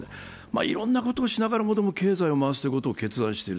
いろんなことをしながら、でも経済を回すことを決断している。